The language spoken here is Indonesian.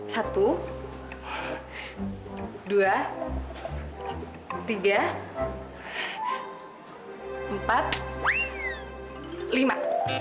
satu dua tiga empat lima